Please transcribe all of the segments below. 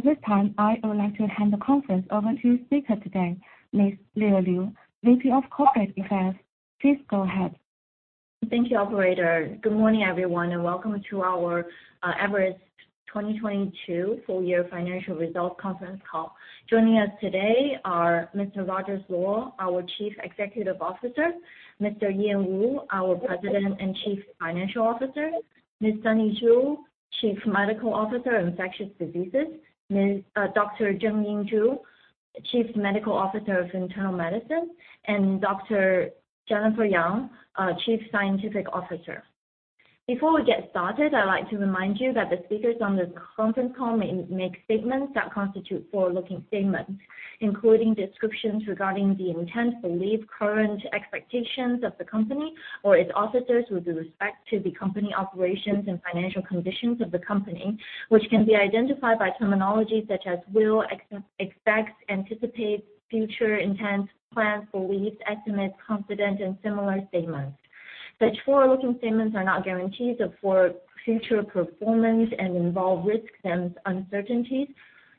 At this time, I would like to hand the conference over to speaker today, Ms. Leah Liu, VP of Corporate Affairs. Please go ahead. Thank you, operator. Good morning, everyone, and welcome to our Everest 2022 full year financial results conference call. Joining us today are Mr. Rogers Luo, our Chief Executive Officer, Mr. Ian Woo, our President and Chief Financial Officer, Ms. Sunny Zhu, Chief Medical Officer, Infectious Diseases, Ms. Dr. Zhengying Zhu, Chief Medical Officer of Internal Medicine, and Dr. Jennifer Yang, our Chief Scientific Officer. Before we get started, I'd like to remind you that the speakers on this conference call may make statements that constitute forward-looking statements, including descriptions regarding the intent, belief, current expectations of the company or its officers with respect to the company operations and financial conditions of the company, which can be identified by terminology such as will, expect, anticipate future intent, plans, beliefs, estimate, confident, and similar statements. Such forward-looking statements are not guarantees of for future performance and involve risks and uncertainties,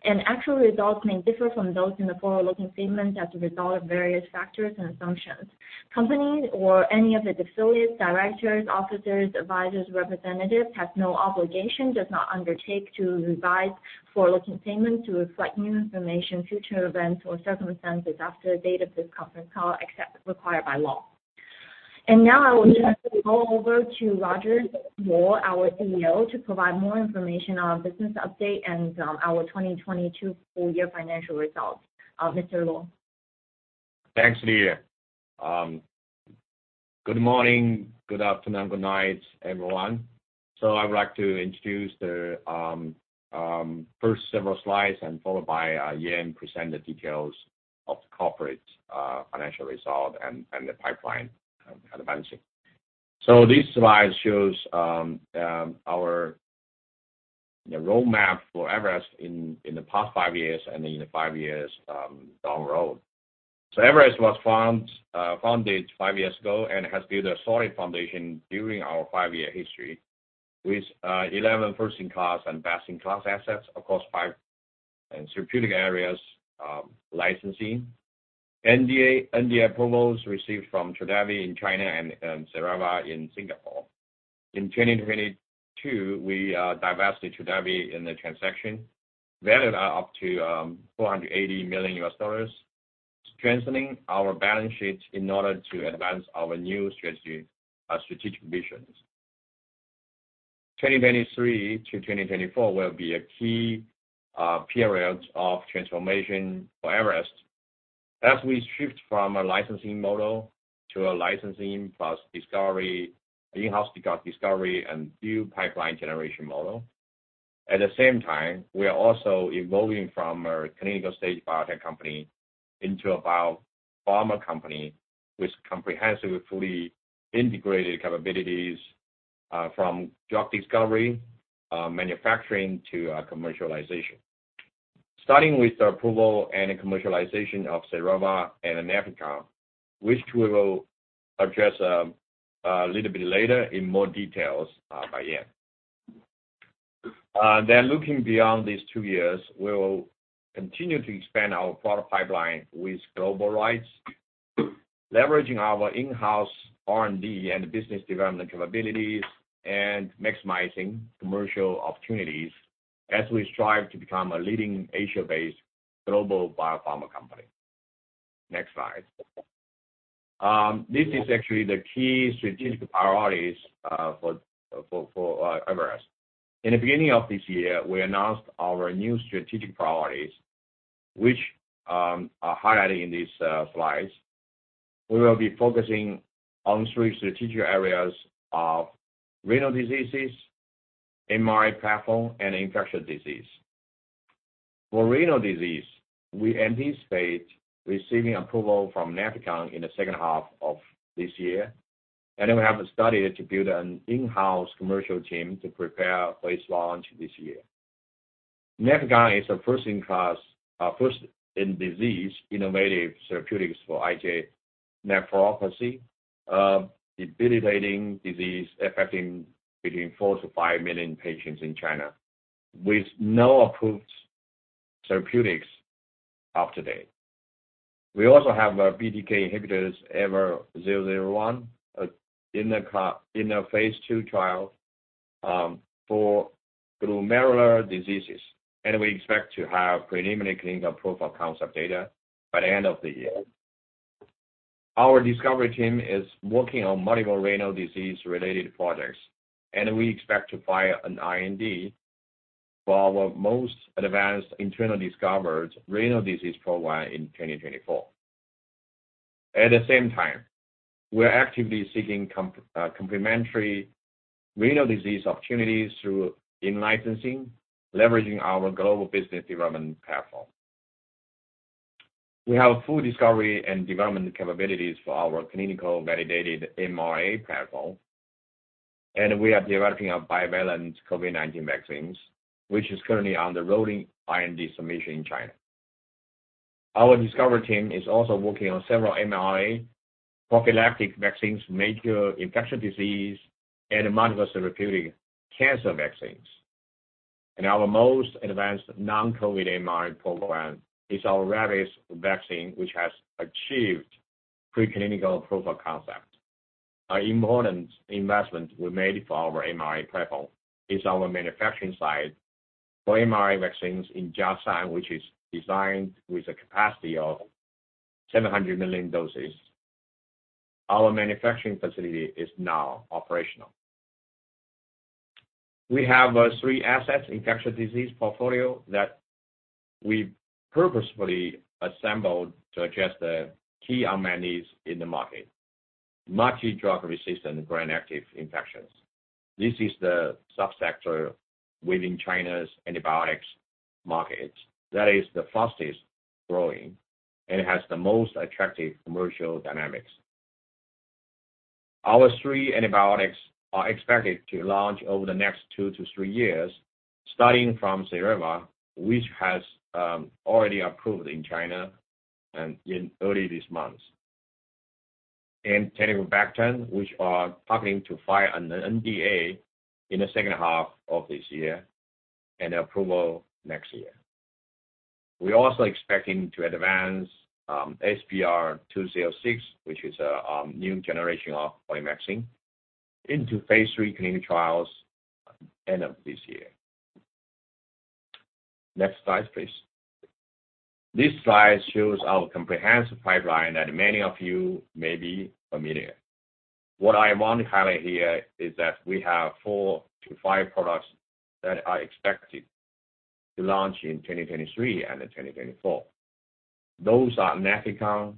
and actual results may differ from those in the forward-looking statements as a result of various factors and assumptions. Company or any of its affiliates, directors, officers, advisors, representatives has no obligation, does not undertake to revise forward-looking statements to reflect new information, future events, or circumstances after the date of this conference call, except as required by law. Now, I would like to go over to Rogers Luo, our CEO, to provide more information on business update and our 2022 full year financial results. Mr. Luo. Thanks, Leah. Good morning, good afternoon, good night, everyone. I would like to introduce the first several slides and followed by Ian present the details of the corporate financial result and the pipeline advancing. This slide shows our, you know, roadmap for Everest in the past 5 years and in the 5 years down the road. Everest was founded 5 years ago and has built a solid foundation during our five-year history with 11 first-in-class and best-in-class assets across 5 therapeutic areas, licensing. NDA approvals received from Trodelvy in China and XERAVA in Singapore. In 2022, we divested Trodelvy in the transaction, valued at up to $480 million, strengthening our balance sheet in order to advance our new strategy strategic visions. 2023 to 2024 will be a key period of transformation for Everest as we shift from a licensing model to a licensing plus discovery, in-house discovery and new pipeline generation model. At the same time, we are also evolving from a clinical-stage biotech company into a biopharma company with comprehensively integrated capabilities from drug discovery, manufacturing, to commercialization. Starting with the approval and commercialization of XERAVA and NEFECON, which we will address a little bit later in more details by Ian. Looking beyond these 2 years, we'll continue to expand our product pipeline with global rights, leveraging our in-house R&D and business development capabilities and maximizing commercial opportunities as we strive to become a leading Asia-based global biopharma company. Next slide. This is actually the key strategic priorities for Everest. In the beginning of this year, we announced our new strategic priorities, which are highlighted in these slides. We will be focusing on three strategic areas of renal diseases, mRNA platform, and infectious disease. For renal disease, we anticipate receiving approval from NEFECON in the second half of this year. We have a study to build an in-house commercial team to prepare for its launch this year. NEFECON is a first-in-class, first in disease innovative therapeutics for IgA nephropathy, a debilitating disease affecting between 4 to 5 million patients in China, with no approved therapeutics up to date. We also have BTK inhibitors EVER001 in a phase II trial for glomerular diseases, and we expect to have preliminary clinical proof of concept data by the end of the year. Our discovery team is working on multiple renal disease-related projects. We expect to file an IND for our most advanced internal discovered renal disease program in 2024. At the same time, we are actively seeking complementary renal disease opportunities through in-licensing, leveraging our global business development platform. We have full discovery and development capabilities for our clinical validated mRNA platform. We are developing our bivalent COVID-19 vaccines, which is currently undergoing IND submission in China. Our discovery team is also working on several mRNA prophylactic vaccines, major infectious disease, and multivalent therapeutic cancer vaccines. Our most advanced non-COVID mRNA program is our rabies vaccine, which has achieved preclinical proof of concept. Our important investment we made for our mRNA platform is our manufacturing site for mRNA vaccines in Jiangshan, which is designed with a capacity of 700 million doses. Our manufacturing facility is now operational. We have 3 assets infectious disease portfolio that we purposefully assembled to address the key unmet needs in the market. Multidrug-resistant Gram-negative infections. This is the sub-sector within China's antibiotics market that is the fastest-growing and has the most attractive commercial dynamics. Our 3 antibiotics are expected to launch over the next 2-3 years, starting from XERAVA, which has already approved in China and in early this month. Taniborbactam, which are targeting to file an NDA in the 2nd half of this year and approval next year. We're also expecting to advance SPR206, which is a new generation of vaccine, into phase III clinical trials end of this year. Next slide, please. This slide shows our comprehensive pipeline that many of you may be familiar. What I want to highlight here is that we have 4 to 5 products that are expected to launch in 2023 and in 2024. Those are NEFECON,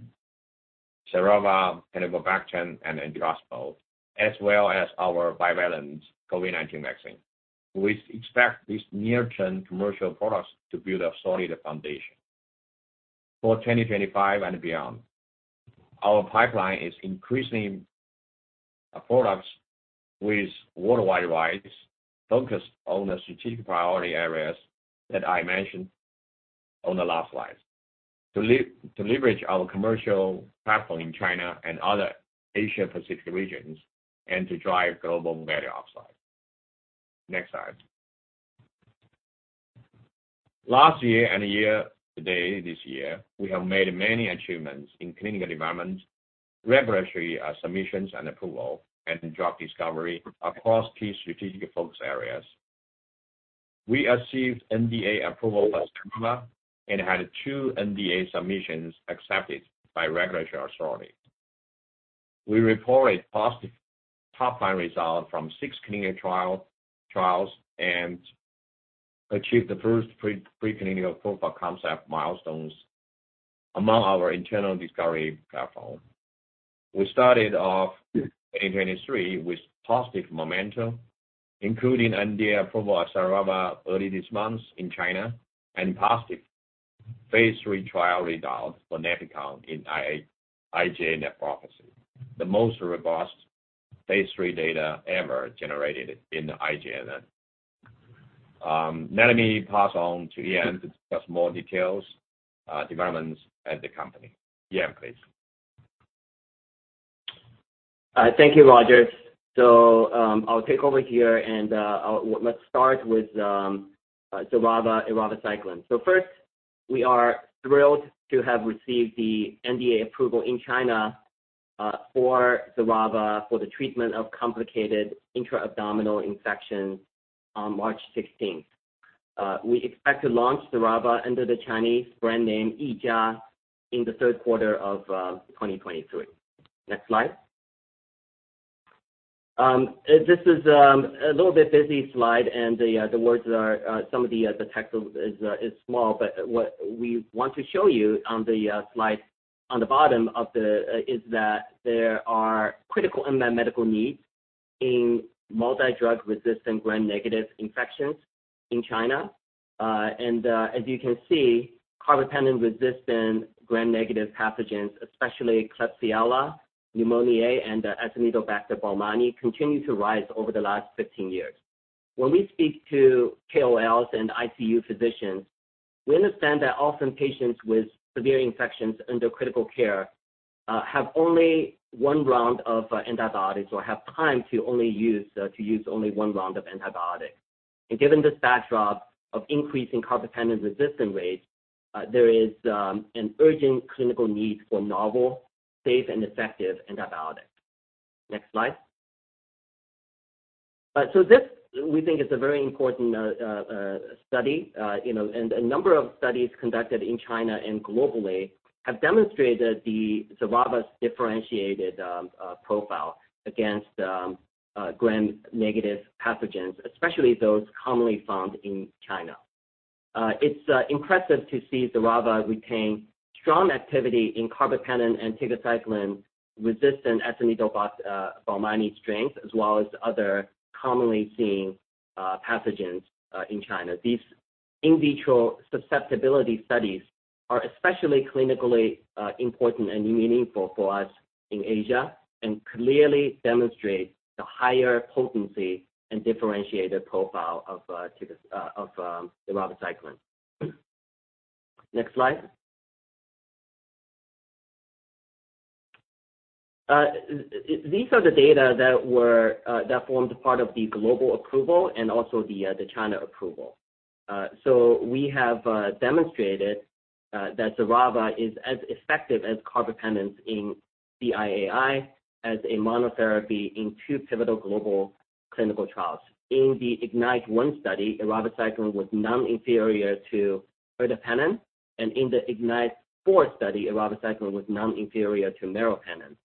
XERAVA, Taniborbactam, and etrasimod, as well as our bivalent COVID-19 vaccine. We expect these near-term commercial products to build a solid foundation. For 2025 and beyond, our pipeline is increasing products with worldwide rights focused on the strategic priority areas that I mentioned on the last slide. To leverage our commercial platform in China and other Asia Pacific regions and to drive global value upside. Next slide. Last year and year today, this year, we have made many achievements in clinical development, regulatory submissions and approval, and drug discovery across key strategic focus areas. We achieved NDA approval for XERAVA and had 2 NDA submissions accepted by regulatory authorities. We reported positive top-line results from six clinical trials and achieved the first preclinical proof of concept milestones among our internal discovery platform. We started off in 2023 with positive momentum, including NDA approval of XERAVA early this month in China and positive phase III trial results for NEFECON in IgA nephropathy, the most robust phase III data ever generated in the IgAN. Let me pass on to Ian to discuss more details, developments at the company. Ian, please. Thank you, Rogers. I'll take over here, let's start with XERAVA, eravacycline. First, we are thrilled to have received the NDA approval in China for XERAVA for the treatment of complicated intra-abdominal infections on March 16th. We expect to launch XERAVA under the Chinese brand name YIJIA in the third quarter of 2023. Next slide. This is a little bit busy slide, and the words are, some of the text is small, but what we want to show you on the slide on the bottom is that there are critical unmet medical needs in multidrug-resistant gram-negative infections in China. As you can see, carbapenem-resistant gram-negative pathogens, especially Klebsiella pneumoniae and Acinetobacter baumannii, continue to rise over the last 15 years. When we speak to KOLs and ICU physicians, we understand that often patients with severe infections under critical care, have only 1 round of antibiotics or have time to use only 1 round of antibiotics. Given this backdrop of increasing carbapenem resistant rates, there is an urgent clinical need for novel, safe and effective antibiotics. Next slide. This we think is a very important study. you know, a number of studies conducted in China and globally have demonstrated the XERAVA's differentiated profile against Gram-negative pathogens, especially those commonly found in China. It's impressive to see XERAVA retain strong activity in carbapenem and tigecycline-resistant Acinetobacter baumannii strains, as well as other commonly seen pathogens in China. These in vitro susceptibility studies are especially clinically important and meaningful for us in Asia and clearly demonstrate the higher potency and differentiated profile of eravacycline. Next slide. These are the data that were that formed part of the global approval and also the China approval. We have demonstrated that XERAVA is as effective as carbapenems in cIAI as a monotherapy in 2 pivotal global clinical trials. In the IGNITE 1 study, eravacycline was non-inferior to ertapenem, and in the IGNITE 4 study, eravacycline was non-inferior to meropenem.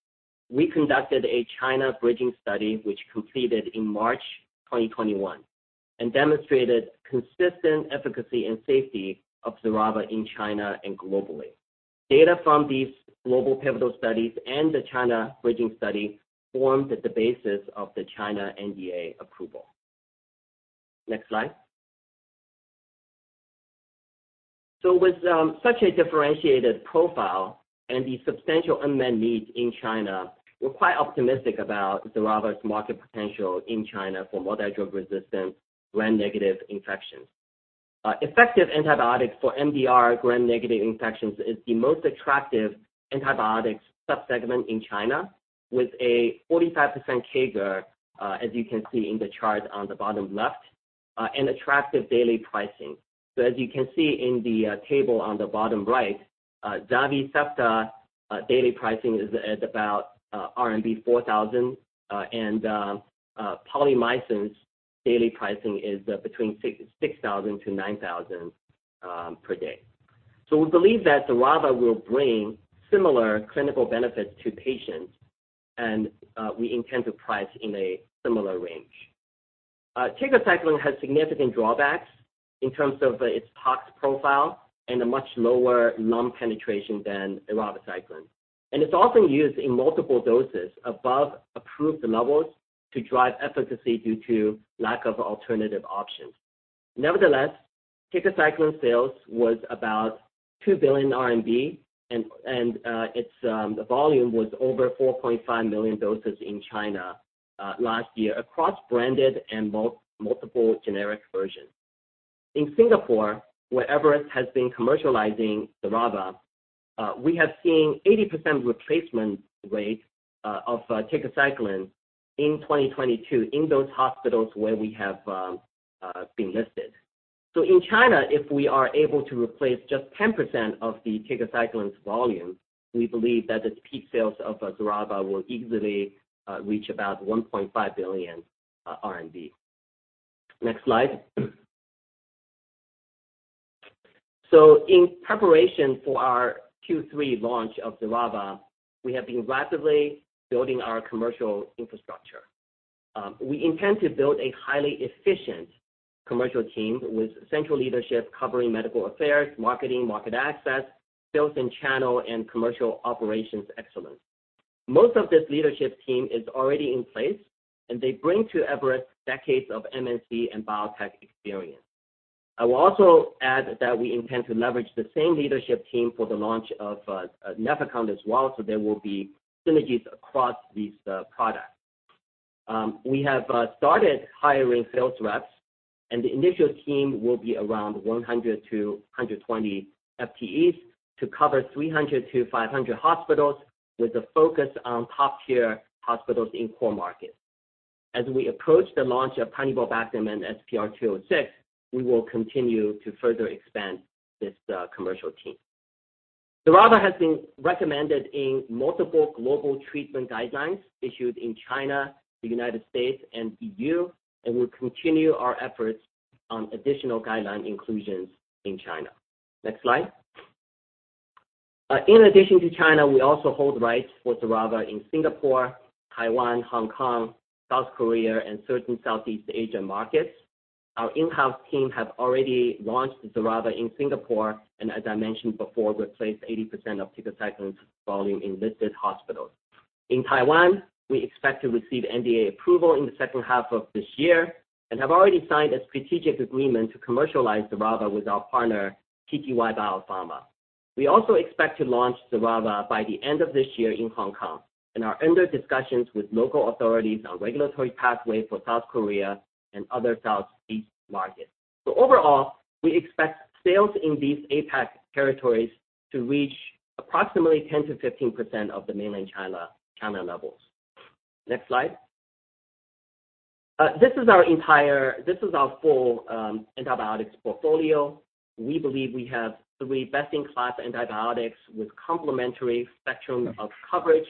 We conducted a China bridging study which completed in March 2021 and demonstrated consistent efficacy and safety of XERAVA in China and globally. Data from these global pivotal studies and the China bridging study formed the basis of the China NDA approval. Next slide. With such a differentiated profile and the substantial unmet needs in China, we're quite optimistic about XERAVA's market potential in China for multidrug-resistant Gram-negative infections. Effective antibiotics for MDR Gram-negative infections is the most attractive antibiotics subsegment in China with a 45% CAGR, as you can see in the chart on the bottom left, and attractive daily pricing. As you can see in the table on the bottom right, Zavicefta daily pricing is at about RMB 4,000, and polymyxins daily pricing is between 6,000-9,000 per day. We believe that XERAVA will bring similar clinical benefits to patients, and we intend to price in a similar range. Tigecycline has significant drawbacks in terms of its tox profile and a much lower lung penetration than eravacycline. It's often used in multiple doses above approved levels to drive efficacy due to lack of alternative options. Nevertheless, tigecycline sales was about 2 billion RMB and its volume was over 4.5 million doses in China last year across branded and multiple generic versions. In Singapore, where Everest has been commercializing XERAVA, we have seen 80% replacement rate of tigecycline in 2022 in those hospitals where we have been listed. In China, if we are able to replace just 10% of the tigecycline's volume, we believe that the peak sales of XERAVA will easily reach about 1.5 billion RMB. Next slide. In preparation for our Q3 launch of XERAVA, we have been rapidly building our commercial infrastructure. We intend to build a highly efficient commercial team with central leadership covering medical affairs, marketing, market access, sales and channel, and commercial operations excellence. Most of this leadership team is already in place, and they bring to Everest decades of MNC and biotech experience. I will also add that we intend to leverage the same leadership team for the launch of NEFECON as well, so there will be synergies across these products. We have started hiring sales reps, and the initial team will be around 100 to 120 FTEs to cover 300 to 500 hospitals with a focus on top-tier hospitals in core markets. As we approach the launch of Taniborbactam and SPR206, we will continue to further expand this commercial team. XERAVA has been recommended in multiple global treatment guidelines issued in China, the United States, and EU. We'll continue our efforts on additional guideline inclusions in China. Next slide. In addition to China, we also hold rights for XERAVA in Singapore, Taiwan, Hong Kong, South Korea, and certain Southeast Asian markets. Our in-house team have already launched XERAVA in Singapore. As I mentioned before, replaced 80% of tigecycline's volume in listed hospitals. In Taiwan, we expect to receive NDA approval in the second half of this year and have already signed a strategic agreement to commercialize XERAVA with our partner, TTY Biopharma. We also expect to launch XERAVA by the end of this year in Hong Kong and are under discussions with local authorities on regulatory pathway for South Korea and other Southeast markets. Overall, we expect sales in these APAC territories to reach approximately 10% to 15% of the Mainland China camera levels. Next slide. This is our full antibiotics portfolio. We believe we have three best-in-class antibiotics with complementary spectrum of coverage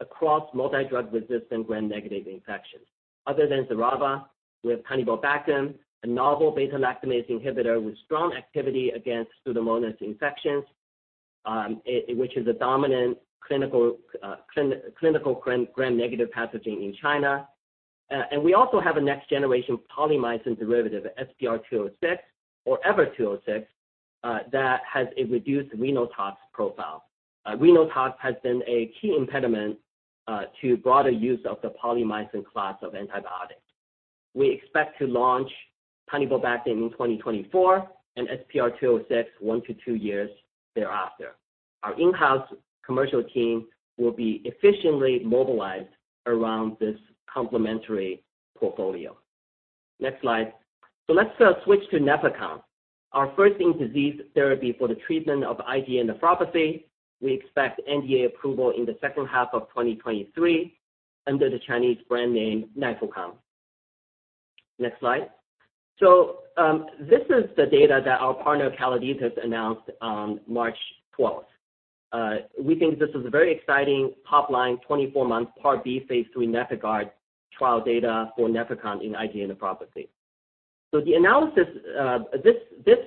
across multidrug-resistant Gram-negative infections. Other than XERAVA, we have Taniborbactam, a novel beta-lactamase inhibitor with strong activity against Pseudomonas infections, which is a dominant clinical Gram-negative pathogen in China. And we also have a next-generation polymyxin derivative, SPR206 or EVER206 that has a reduced renal tox profile. Renal tox has been a key impediment to broader use of the polymyxin class of antibiotics. We expect to launch Taniborbactam in 2024 and SPR206 1 to 2 years thereafter. Our in-house commercial team will be efficiently mobilized around this complementary portfolio. Next slide. Let's switch to NEFECON, our first-in-disease therapy for the treatment of IgA nephropathy. We expect NDA approval in the second half of 2023 under the Chinese brand name NEFECON. Next slide. This is the data that our partner Calliditas announced on March 12th. We think this is a very exciting top-line 24-month part B phase III NefIgArd trial data for NEFECON in IgA nephropathy. The analysis, this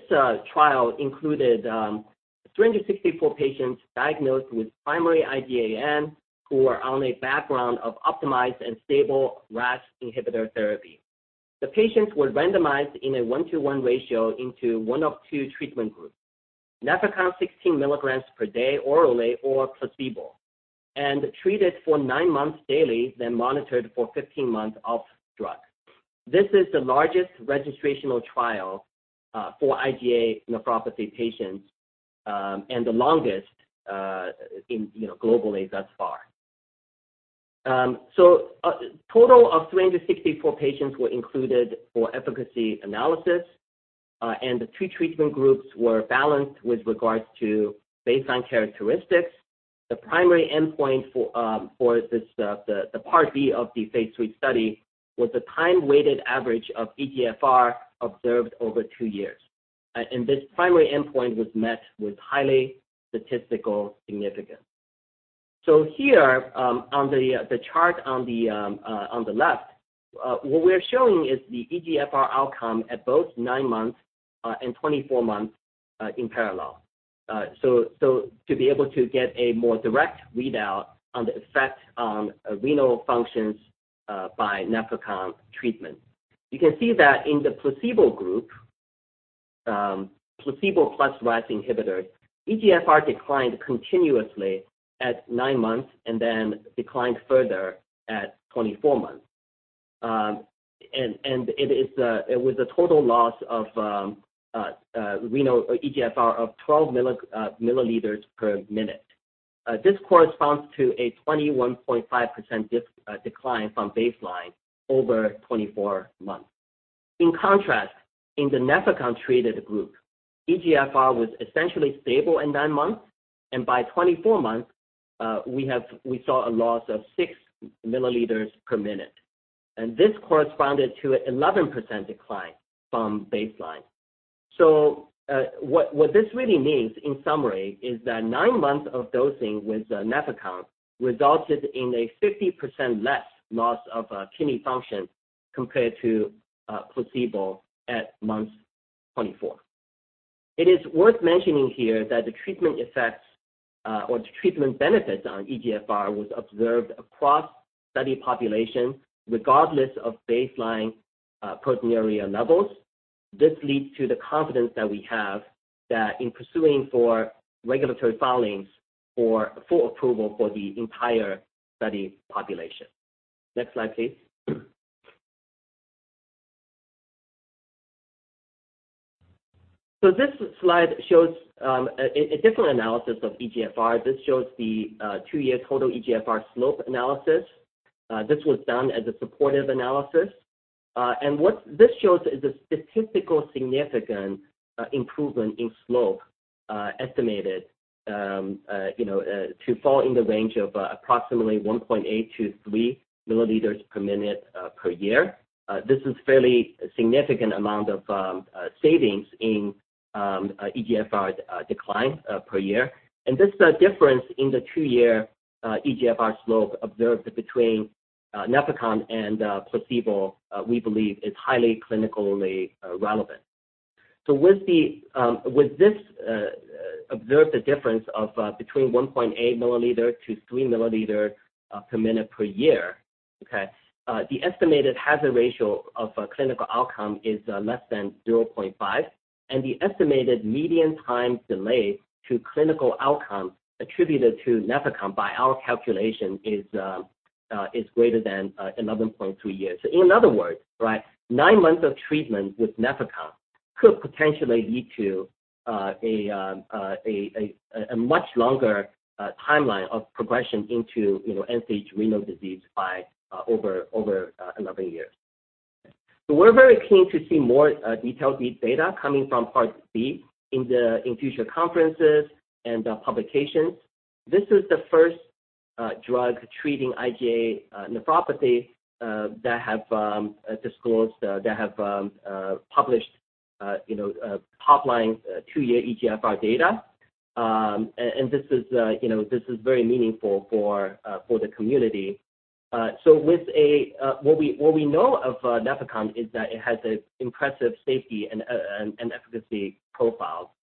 trial included 364 patients diagnosed with primary IgAN who were on a background of optimized and stable RAS inhibitor therapy. The patients were randomized in a 1-to-1 ratio into 1 of 2 treatment groups, NEFECON 16 mg per day orally or placebo, and treated for 9 months daily, then monitored for 15 months off drug. This is the largest registrational trial for IgA nephropathy patients, and the longest, in, you know, globally thus far. A total of 364 patients were included for efficacy analysis, and the 2 treatment groups were balanced with regards to baseline characteristics. The primary endpoint for this, the part B of the phase III study was a time-weighted average of eGFR observed over 2 years, and this primary endpoint was met with highly statistical significance. Here, on the chart on the left, what we're showing is the eGFR outcome at both 9 months and 24 months in parallel. So to be able to get a more direct readout on the effect on renal functions by NEFECON treatment. You can see that in the placebo group, placebo plus RAS inhibitors, eGFR declined continuously at 9 months and then declined further at 24 months. It was a total loss of renal eGFR of 12 mL/min. This corresponds to a 21.5% decline from baseline over 24 months. In contrast, in the NEFECON-treated group, eGFR was essentially stable in 9 months, and by 24 months, we saw a loss of 6 mL/min, and this corresponded to 11% decline from baseline. What this really means, in summary, is that 9 months of dosing with NEFECON resulted in a 50% less loss of kidney function compared to placebo at month 24. It is worth mentioning here that the treatment effects, or the treatment benefits on eGFR was observed across study population regardless of baseline proteinuria levels. This leads to the confidence that we have that in pursuing for regulatory filings for full approval for the entire study population. Next slide, please. This slide shows a different analysis of eGFR. This shows the 2-year total eGFR slope analysis. This was done as a supportive analysis. What this shows is a statistical significant improvement in slope, estimated, you know, to fall in the range of approximately 1.8 to 3 mL/min/yr. This is fairly significant amount of savings in eGFR decline per year. This difference in the 2-year eGFR slope observed between NEFECON and placebo, we believe is highly clinically relevant. With this observed difference between 1.8 mL/min/yr to 3 mL/min/yr, the estimated hazard ratio of clinical outcome is less than 0.5, and the estimated median time delay to clinical outcome attributed to NEFECON by our calculation is greater than 11.2 years. In other words, 9 months of treatment with NEFECON could potentially lead to a much longer timeline of progression into, you know, end-stage renal disease by over 11 years. We're very keen to see more detailed deep data coming from part B in future conferences and publications. This is the first drug treating IgA nephropathy that have disclosed, that have published, you know, top-line, two-year eGFR data. This is, you know, very meaningful for the community. With what we know of, NEFECON is that it has an impressive safety and efficacy profile.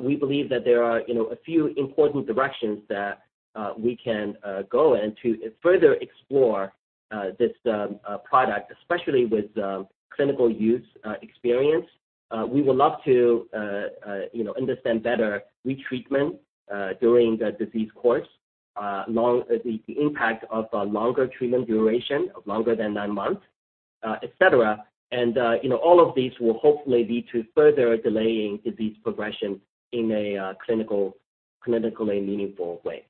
We believe that there are, you know, a few important directions that we can go in to further explore this product, especially with clinical use experience. We would love to, you know, understand better retreatment during the disease course, the impact of a longer treatment duration of longer than 9 months, et cetera. You know, all of these will hopefully lead to further delaying disease progression in a clinically meaningful way.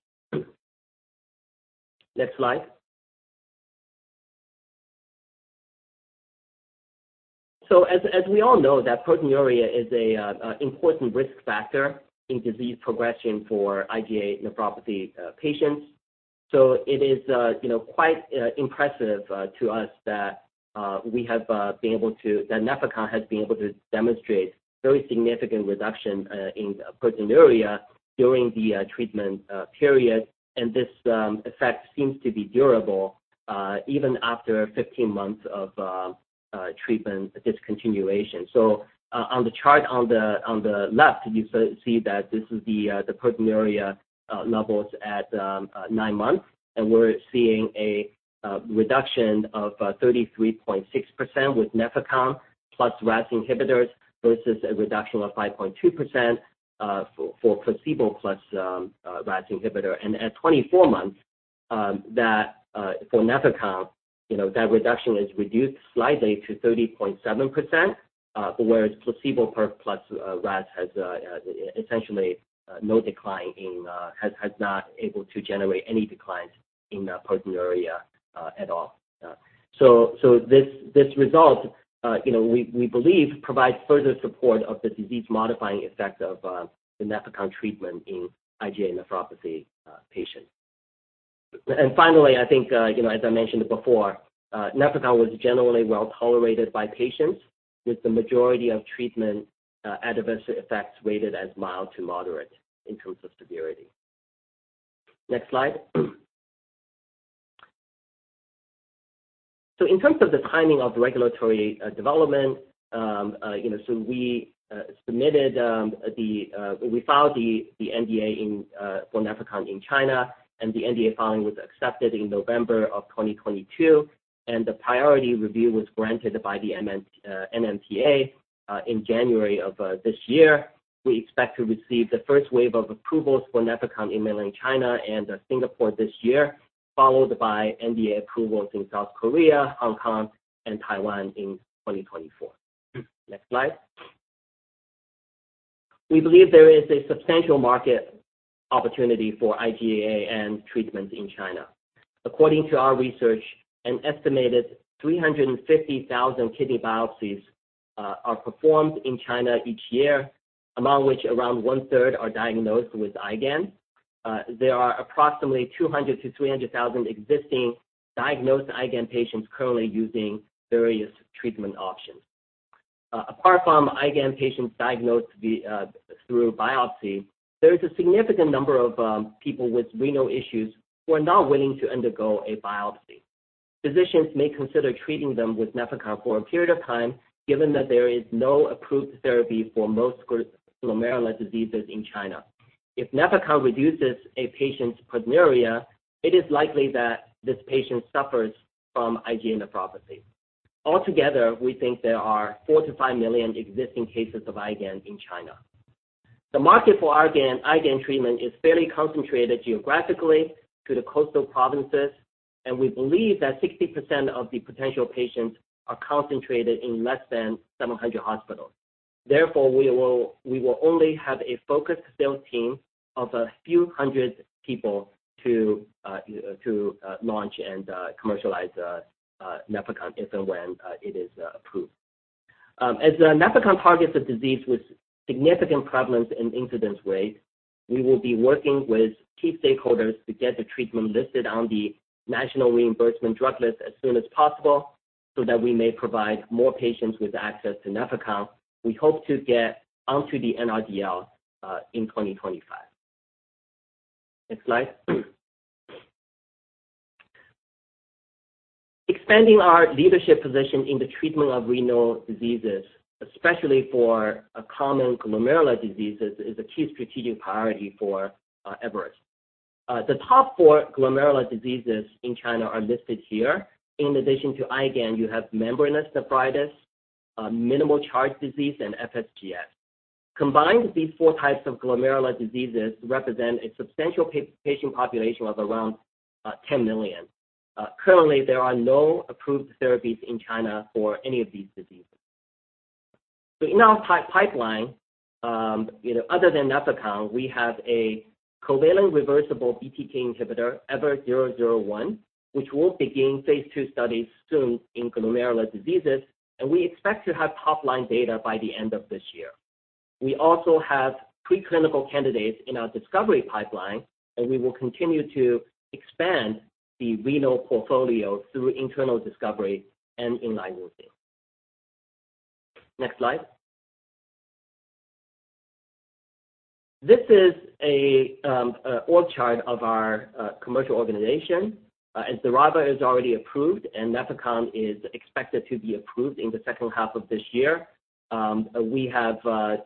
Next slide. As we all know, that proteinuria is a important risk factor in disease progression for IgA nephropathy patients. It is, you know, quite impressive to us that NEFECON has been able to demonstrate very significant reduction in proteinuria during the treatment period, and this effect seems to be durable even after 15 months of treatment discontinuation. e left, you see that this is the proteinuria levels at 9 months, and we are seeing a reduction of 33.6% with NEFECON plus RAS inhibitors versus a reduction of 5.2% for placebo plus RAS inhibitor. At 24 months, for NEFECON, you know, that reduction is reduced slightly to 30.7%, whereas placebo plus RAS has essentially no decline in has not able to generate any decline in proteinuria at all. This result, you know, we believe provides further support of the disease-modifying effect of the NEFECON treatment in IgAN patients Finally, I think, you know, as I mentioned before, NEFECON was generally well-tolerated by patients, with the majority of treatment adverse effects rated as mild to moderate in terms of severity. Next slide. In terms of the timing of regulatory development, you know, we filed the NDA for NEFECON in China, and the NDA filing was accepted in November of 2022, and the priority review was granted by the NMPA in January of this year. We expect to receive the first wave of approvals for NEFECON in Mainland China and Singapore this year, followed by NDA approvals in South Korea, Hong Kong and Taiwan in 2024. Next slide. We believe there is a substantial market opportunity for IgA and treatment in China. According to our research, an estimated 350,000 kidney biopsies are performed in China each year, among which around 1/3 are diagnosed with IgAN. There are approximately 200,000-300,000 existing diagnosed IgAN patients currently using various treatment options. Apart from IgAN patients diagnosed through biopsy, there is a significant number of people with renal issues who are not willing to undergo a biopsy. Physicians may consider treating them with NEFECON for a period of time, given that there is no approved therapy for most glomerular diseases in China. If NEFECON reduces a patient's proteinuria, it is likely that this patient suffers from IgA nephropathy. Altogether, we think there are 4 million-5 million existing cases of IgAN in China. The market for IgAN treatment is fairly concentrated geographically to the coastal provinces, we believe that 60% of the potential patients are concentrated in less than 700 hospitals. Therefore, we will only have a focused sales team of a few hundred people to launch and commercialize NEFECON if and when it is approved. As NEFECON targets a disease with significant prevalence and incidence rates, we will be working with key stakeholders to get the treatment listed on the National Reimbursement Drug List as soon as possible so that we may provide more patients with access to NEFECON. We hope to get onto the NRDL in 2025. Next slide. Expanding our leadership position in the treatment of renal diseases, especially for common glomerular diseases, is a key strategic priority for Everest. The top four glomerular diseases in China are listed here. In addition to IgAN, you have membranous nephritis, minimal change disease, and FSGS. Combined, these four types of glomerular diseases represent a substantial patient population of around 10 million. Currently, there are no approved therapies in China for any of these diseases. In our pipeline, you know, other than NEFECON, we have a covalent reversible BTK inhibitor, EVER001, which will begin phase II studies soon in glomerular diseases, and we expect to have top-line data by the end of this year. We also have preclinical candidates in our discovery pipeline, and we will continue to expand the renal portfolio through internal discovery and in licensing. Next slide. This is an org chart of our commercial organization. As XERAVA is already approved and NEFECON is expected to be approved in the second half of this year, we're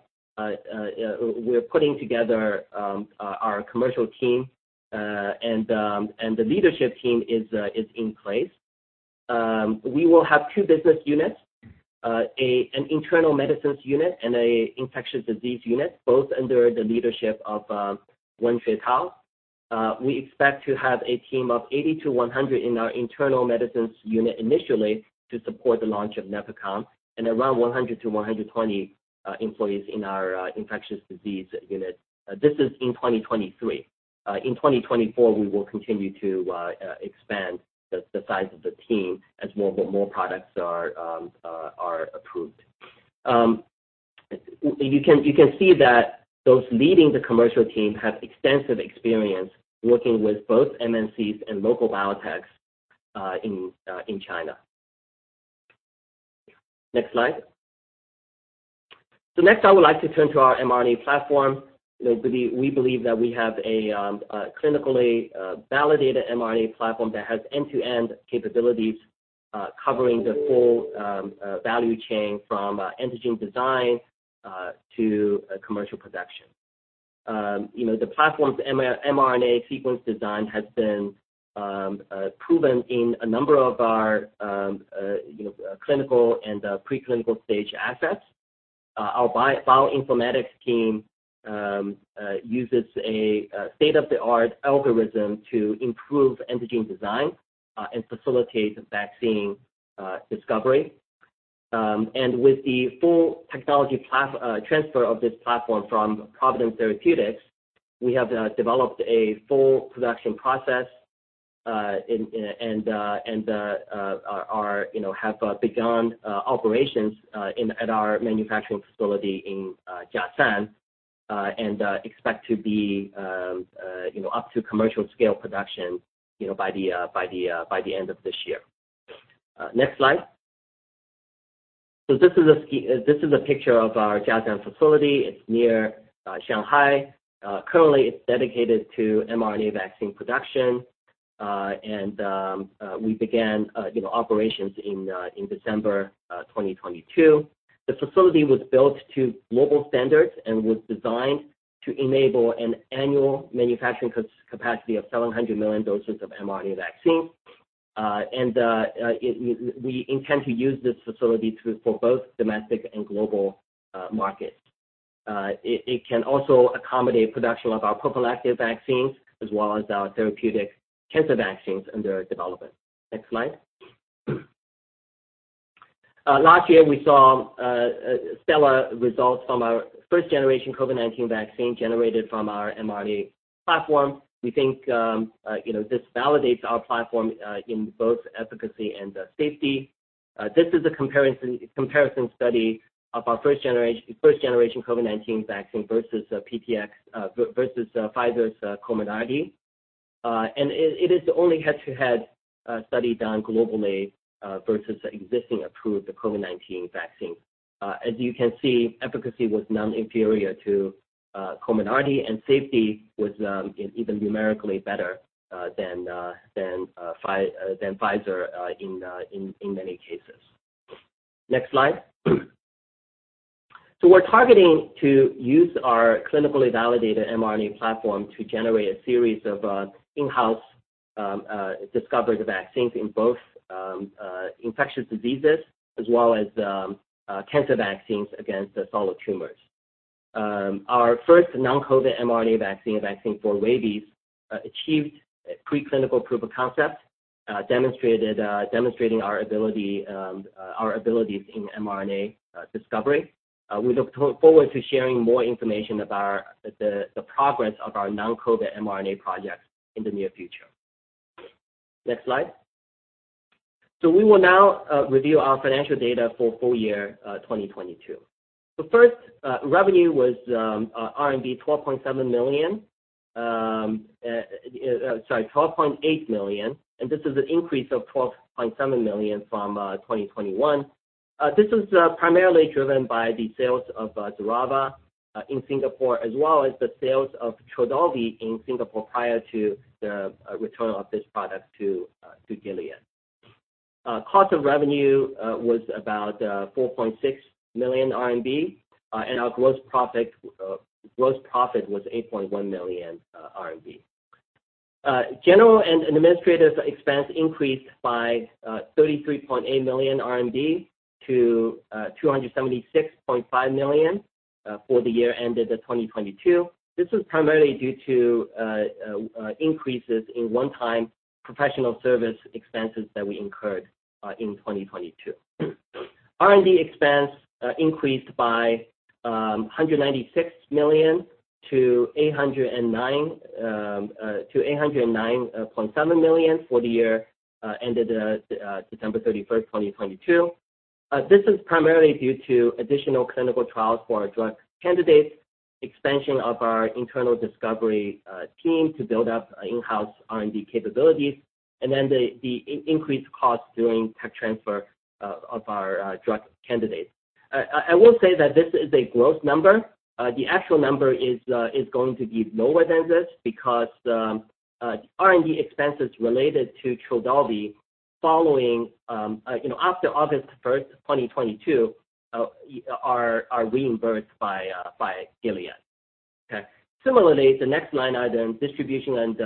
putting together our commercial team, and the leadership team is in place. We will have two business units, an internal medicines unit and an infectious disease unit, both under the leadership of Wenfei Cao. We expect to have a team of 80 to 100 in our internal medicines unit initially to support the launch of NEFECON and around 100 to 120 employees in our infectious disease unit. This is in 2023. In 2024, we will continue to expand the size of the team as more products are approved. You can see that those leading the commercial team have extensive experience working with both MNCs and local biotechs in China. Next slide. Next, I would like to turn to our mRNA platform. You know, we believe that we have a clinically validated mRNA platform that has end-to-end capabilities covering the full value chain from antigen design to commercial production. You know, the platform's mRNA sequence design has been proven in a number of our, you know, clinical and preclinical stage assets. Our bioinformatics team uses a state-of-the-art algorithm to improve antigen design and facilitate vaccine discovery. With the full technology platform transfer of this platform from Providence Therapeutics, we have developed a full production process and are, you know, have begun operations at our manufacturing facility in Jiaxing and expect to be, you know, up to commercial scale production, you know, by the end of this year. Next slide. This is a picture of our Jiaxing facility. It's near Shanghai. Currently, it's dedicated to mRNA vaccine production. We began, you know, operations in December 2022. The facility was built to global standards and was designed to enable an annual manufacturing capacity of 700 million doses of mRNA vaccine. We intend to use this facility for both domestic and global markets. It can also accommodate production of our prophylactic vaccines as well as our therapeutic cancer vaccines under development. Next slide. Last year, we saw stellar results from our first-generation COVID-19 vaccine generated from our mRNA platform. We think, you know, this validates our platform in both efficacy and safety. This is a comparison study of our first generation COVID-19 vaccine versus Pfizer's COMIRNATY. It is the only head-to-head study done globally versus existing approved COVID-19 vaccine. As you can see, efficacy was non-inferior to COMIRNATY, and safety was even numerically better than Pfizer in many cases. Next slide. We're targeting to use our clinically validated mRNA platform to generate a series of in-house discovery vaccines in both infectious diseases as well as cancer vaccines against solid tumors. Our first non-COVID mRNA vaccine, a vaccine for rabies, achieved preclinical proof of concept, demonstrated demonstrating our ability, our abilities in mRNA discovery. We look forward to sharing more information about the progress of our non-COVID mRNA projects in the near future. Next slide. We will now review our financial data for full year 2022. First, revenue was 12.7 million. Sorry, 12.8 million, and this is an increase of 12.7 million from 2021. This is primarily driven by the sales of XERAVA in Singapore, as well as the sales of Trodelvy in Singapore prior to the return of this product to Gilead. Cost of revenue was about 4.6 million RMB, and our gross profit was 8.1 million RMB. General and administrative expense increased by 33.8 million RMB to 276.5 million for the year ended at 2022. This is primarily due to increases in one-time professional service expenses that we incurred in 2022. R&D expense increased by 196 million to 809.7 million for the year ended December 31, 2022. This is primarily due to additional clinical trials for our drug candidates, expansion of our internal discovery team to build up in-house R&D capabilities, and then the increased costs during tech transfer of our drug candidates. I will say that this is a gross number. The actual number is going to be lower than this because R&D expenses related to Trodelvy following, you know, after August 1, 2022, are reimbursed by Gilead. Okay? Similarly, the next line item, distribution and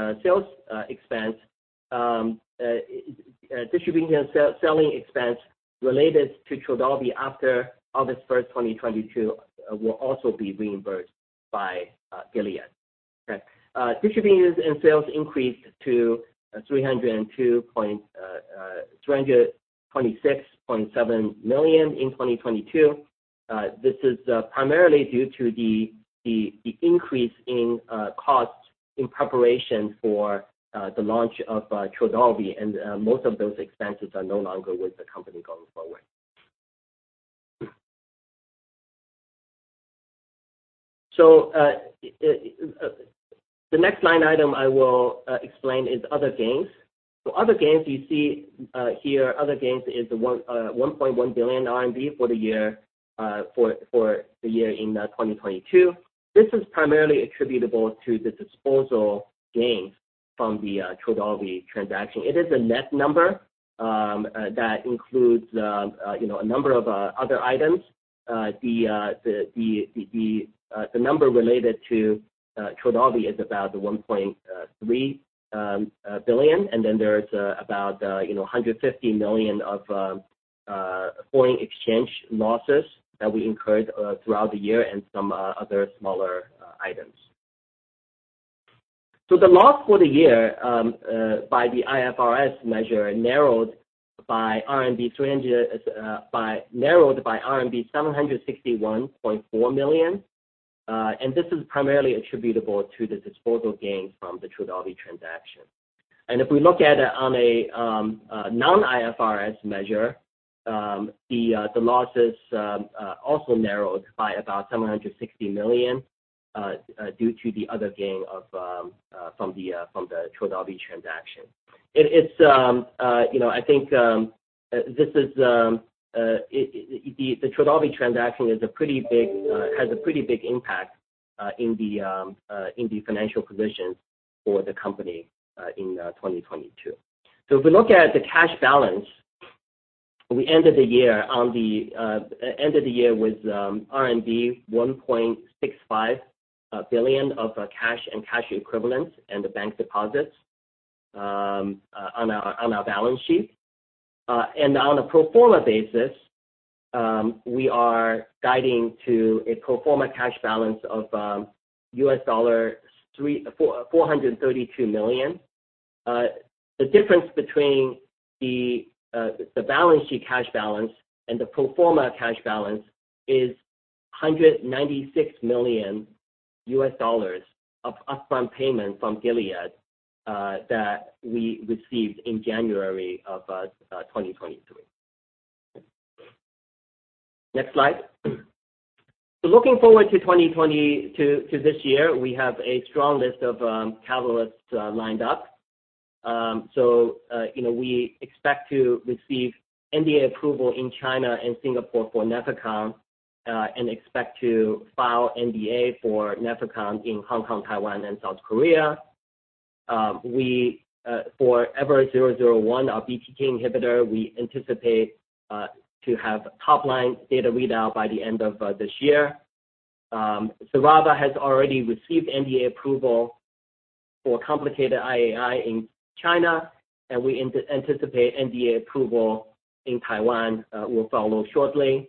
selling expense related to Trodelvy after August 1st, 2022, will also be reimbursed by Gilead. Distribution and sales increased to 326.7 million in 2022. This is primarily due to the increase in costs in preparation for the launch of Trodelvy, and most of those expenses are no longer with the company going forward. The next line item I will explain is other gains. Other gains you see here, other gains is 1.1 billion RMB for the year in 2022. This is primarily attributable to the disposal gains from the Trodelvy transaction. It is a net number that includes, you know, a number of other items. The number related to Trodelvy is about 1.3 billion, and then there's about, you know, 150 million of foreign exchange losses that we incurred throughout the year and some other smaller items. The loss for the year by the IFRS measure narrowed by RMB 761.4 million. This is primarily attributable to the disposal gains from the Trodelvy transaction. If we look at it on a non-IFRS measure, the losses also narrowed by about 760 million due to the other gain from the Trodelvy transaction. It's, you know, I think this is the Trodelvy transaction is a pretty big has a pretty big impact in the financial position for the company in 2022. If we look at the cash balance, we ended the year with RMB 1.65 billion of cash and cash equivalents and the bank deposits on our balance sheet. On a pro forma basis, we are guiding to a pro forma cash balance of $342 million. The difference between the balance sheet cash balance and the pro forma cash balance is $196 million of upfront payment from Gilead, that we received in January of 2023. Next slide. Looking forward to this year, we have a strong list of catalysts lined up. You know, we expect to receive NDA approval in China and Singapore for NEFECON, and expect to file NDA for NEFECON in Hong Kong, Taiwan, and South Korea. We, for EVER001, our BTK inhibitor, we anticipate to have top-line data readout by the end of this year. XERAVA has already received NDA approval for complicated cIAI in China, and we anticipate NDA approval in Taiwan will follow shortly.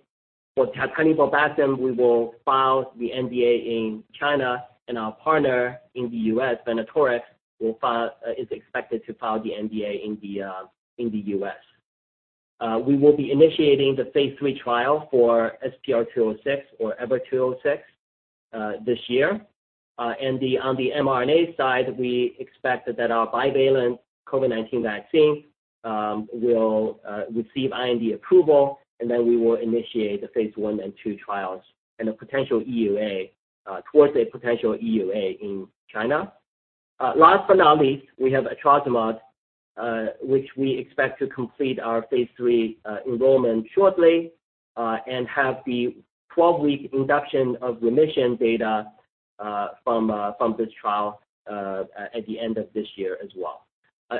For Taniborbactam, we will file the NDA in China, and our partner in the U.S., Venatorx, is expected to file the NDA in the U.S. We will be initiating the phase III trial for SPR206 or EVER206 this year. On the mRNA side, we expect that our bivalent COVID-19 vaccine will receive IND approval, and then we will initiate the phase I/II trials and a potential EUA towards a potential EUA in China. Last but not least, we have Etrasimod, which we expect to complete our phase III enrollment shortly, and have the 12-week induction of remission data from this trial at the end of this year as well.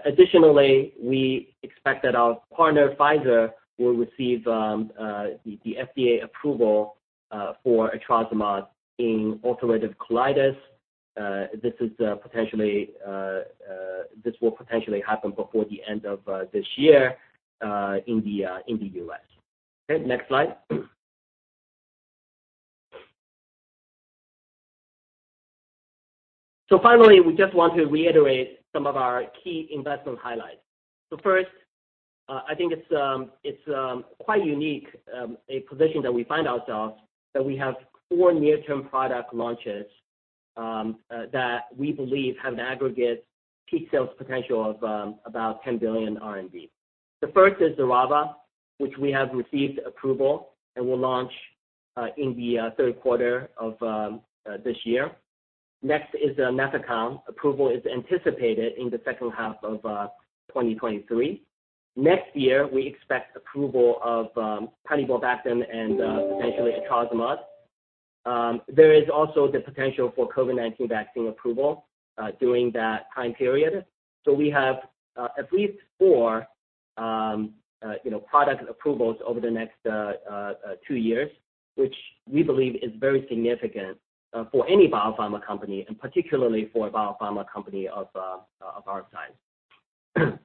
Additionally, we expect that our partner, Pfizer, will receive the FDA approval for Etrasimod in ulcerative colitis. This will potentially happen before the end of this year in the US. Okay, next slide. Finally, we just want to reiterate some of our key investment highlights. First, I think it's quite unique a position that we find ourselves that we have four near-term product launches that we believe have an aggregate peak sales potential of about 10 billion RMB. The first is XERAVA, which we have received approval and will launch in the third quarter of this year. Next is NEFECON. Approval is anticipated in the second half of 2023. Next year, we expect approval of Taniborbactam and potentially etrasimod. There is also the potential for COVID-19 vaccine approval during that time period. We have at least 4, you know, product approvals over the next 2 years, which we believe is very significant for any biopharma company and particularly for a biopharma company of our size.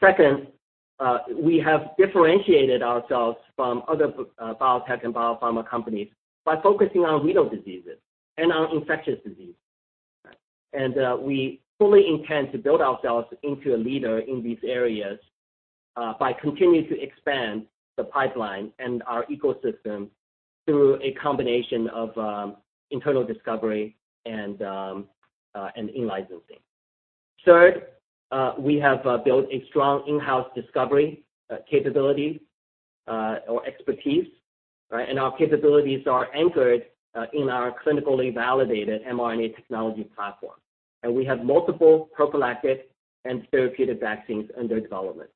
Second, we have differentiated ourselves from other biotech and biopharma companies by focusing on renal diseases and on infectious diseases. We fully intend to build ourselves into a leader in these areas by continuing to expand the pipeline and our ecosystem through a combination of internal discovery and in-licensing. Third, we have built a strong in-house discovery capability or expertise, right? Our capabilities are anchored in our clinically validated mRNA technology platform. We have multiple prophylactic and therapeutic vaccines under development.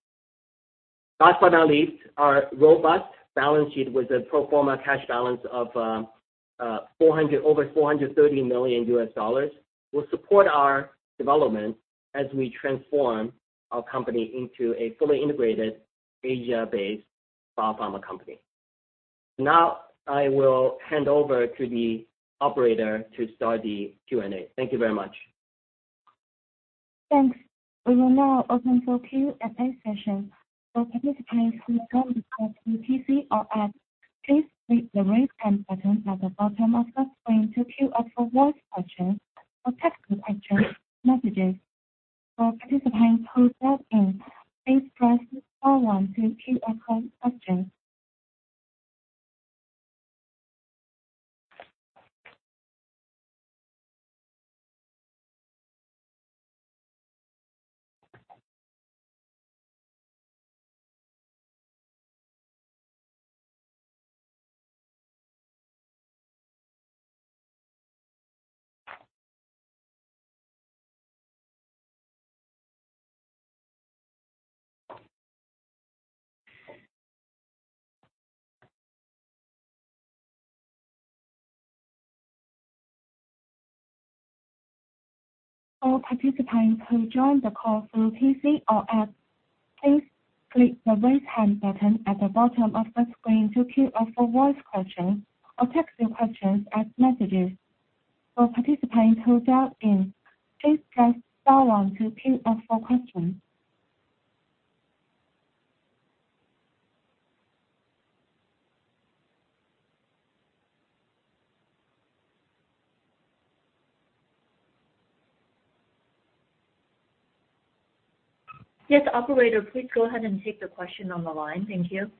Last but not least, our robust balance sheet with a pro forma cash balance of over $430 million will support our development as we transform our company into a fully integrated Asia-based biopharma company. Now I will hand over to the operator to start the Q&A. Thank you very much. Thanks. We will now open for Q&A session. For participants who joined us through PC or app, please click the Raise Hand button at the bottom of the screen to queue up for voice questions or text your questions, messages. For participants who dialed in, please press star 1 to queue up for questions. Yes, operator, please go ahead and take the question on the line. Thank you.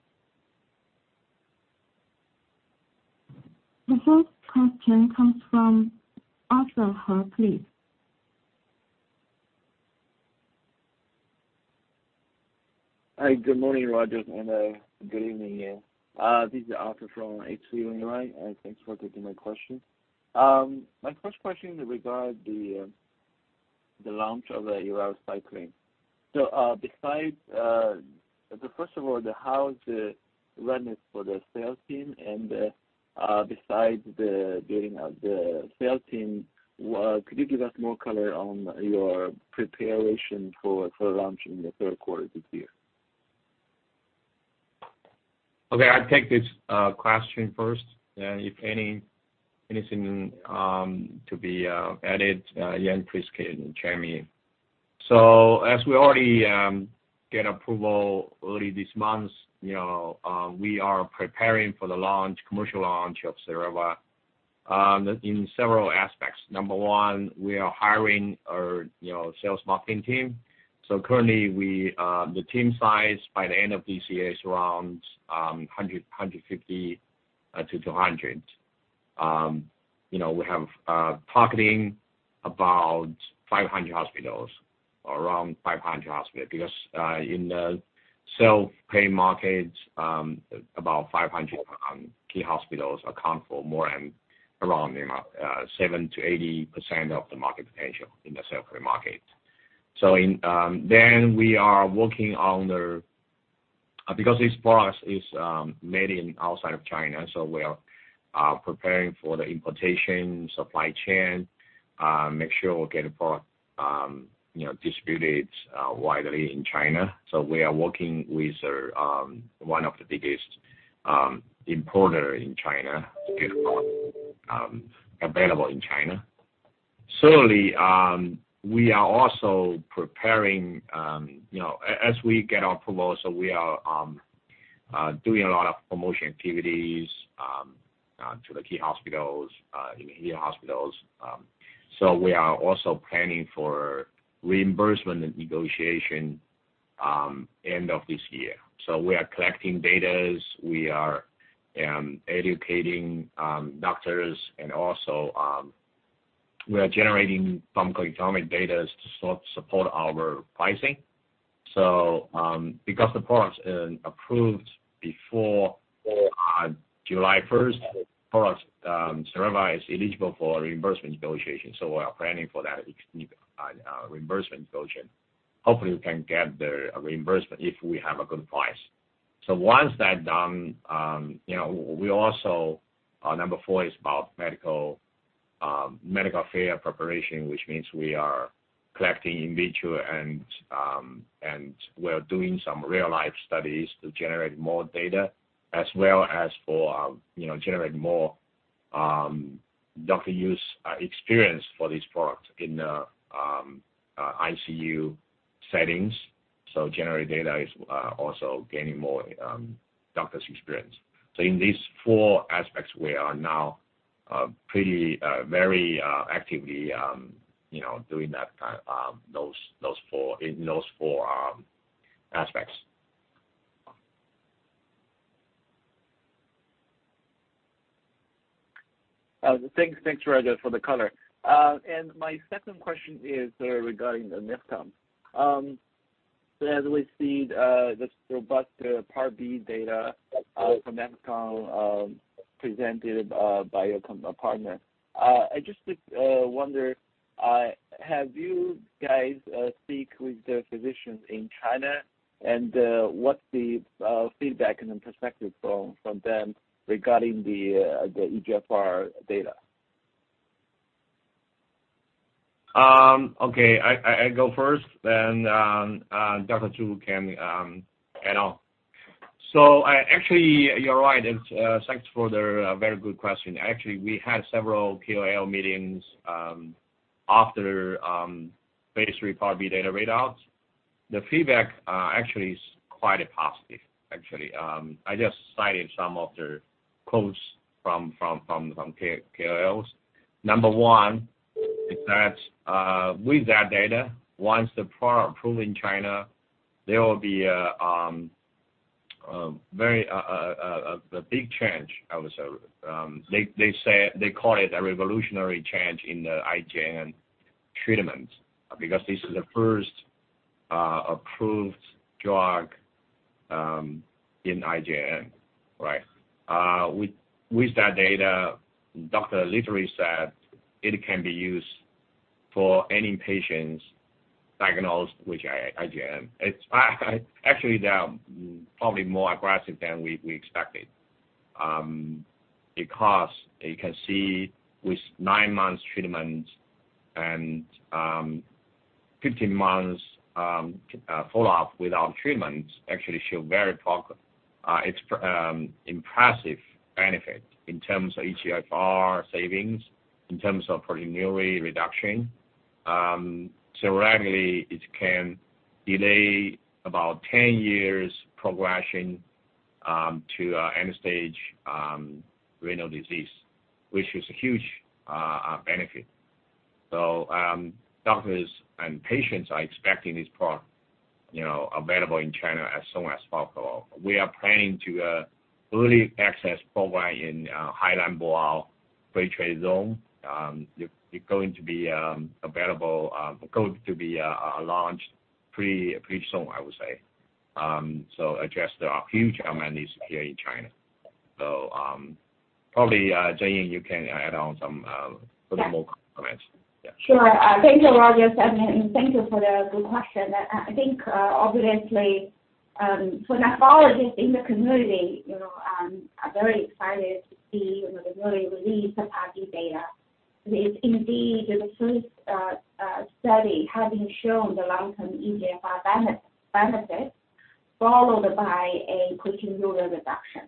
The first question comes from Arthur He, please. Hi. Good morning, Rogers, and good evening. This is Arthur He from H.C. Wainwright, and thanks for taking my question. My first question regard the launch of the eravacycline. First of all, how is the readiness for the sales team, and besides the building of the sales team, could you give us more color on your preparation for launch in the third quarter this year? Okay, I take this question first. If anything to be added, Ian please can chime in. As we already get approval early this month, you know, we are preparing for the launch, commercial launch of XERAVA in several aspects. Number one, we are hiring our, you know, sales marketing team. Currently we the team size by the end of this year is around 100, 150 to 200. You know, we have targeting about 500 hospitals or around 500 hospitals because in the self-pay markets, about 500 key hospitals account for more than around, you know, 70%-80% of the market potential in the self-pay market. In then we are working on the... Because this product is made in outside of China, we are preparing for the importation, supply chain, make sure we're getting product, you know, distributed widely in China. We are working with one of the biggest importer in China to get product available in China. Certainly, we are also preparing, you know, as we get our approval, we are doing a lot of promotion activities to the key hospitals. We are also planning for reimbursement negotiation end of this year. We are collecting datas, we are educating doctors, and also, we are generating pharmacoeconomic datas to support our pricing. Because the product approved before July 1st, the product XERAVA is eligible for reimbursement negotiation, we are planning for that reimbursement negotiation. Hopefully, we can get the reimbursement if we have a good price. Once that's done, you know, we also, number 4 is about medical fair preparation, which means we are collecting in vitro and we're doing some real-life studies to generate more data as well as for, you know, generate more doctor use experience for this product in ICU settings. Generally data is also gaining more doctors experience. In these four aspects, we are now pretty very actively, you know, doing that those four in those four aspects. Thanks, Rogers for the color. My second question is, regarding the NEFECON. As we see, this robust, Part B data, from NEFECON, presented by your partner, I just wonder, have you guys speak with the physicians in China and what's the feedback and the perspective from them regarding the eGFR data? Okay. I go first then, Dr. Zhu can add on. I actually you're right. It's thanks for the very good question. Actually, we had several KOL meetings after phase III Part B data readouts. The feedback actually is quite positive, actually. I just cited some of the quotes from KOLs. Number 1 is that, with that data, once the product approved in China, there will be a very big change I would say. They say they call it a revolutionary change in the IgAN treatment because this is the first approved drug in IgAN, right? With that data, doctor literally said it can be used for any patients diagnosed with IgAN. Actually, they are probably more aggressive than we expected, because you can see with nine months treatment and 15 months follow up without treatment actually show very impressive benefit in terms of eGFR savings, in terms of proteinuria reduction. Theoretically, it can delay about 10 years progression to end stage renal disease, which is a huge benefit. Doctors and patients are expecting this product, you know, available in China as soon as possible. We are planning to early access provide in Hainan Boao Lecheng International Medical Tourism Pilot Zone. It going to be available, going to be launched pretty soon, I would say. Address there are huge unmet needs here in China. Probably, Zhengying, you can add on some, put a more comments. Yeah. Sure. thank you, Rogers. Thank you for the good question. I think, obviously, for nephrologists in the community, you know, are very excited to see, you know, the early release of Part B data. It is indeed the first study having shown the long-term eGFR benefit, followed by a proteinuria reduction.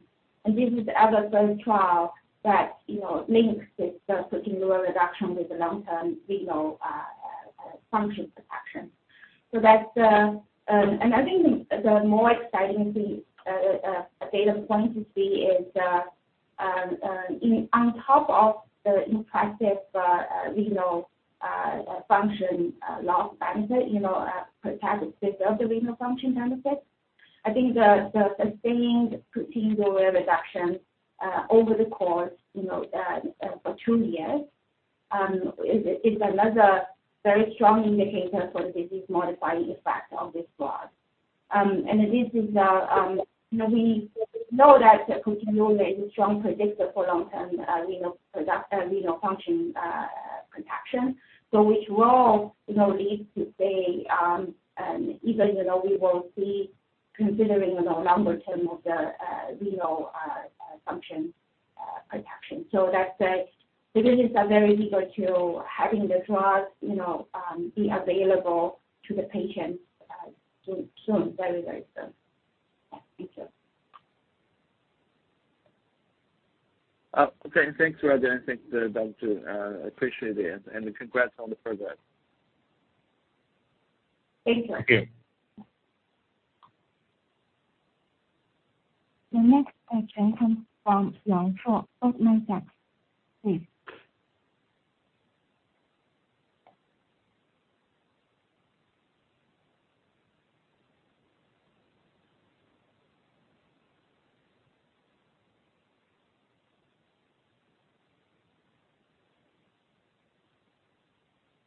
This is the other third trial that, you know, links this proteinuria reduction with the long-term renal function protection. That's. I think the more exciting thing data point to see is on top of the impressive renal function loss benefit, you know, protective of the renal function benefit. I think the sustained proteinuria reduction over the course, you know, for 2 years, is another very strong indicator for the disease modifying effect of this product. This is, you know, we know that proteinuria is a strong predictor for long-term renal function protection. which will, you know, lead to say, even, you know, we will see considering, you know, longer term of the renal function protection. That said, the business are very eager to having the product, you know, be available to the patients soon, very soon. Yeah. Thank you. Okay. Thanks, Rogers, and thanks, Dr. Zhu. Appreciate it. Congrats on the progress. Thank you. Thank you. The next question comes from Lin